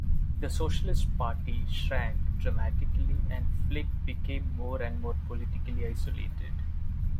The Socialist Party shrank dramatically and Flyg became more and more politically isolated.